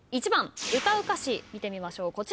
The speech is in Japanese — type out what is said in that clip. １番歌う歌詞見てみましょう。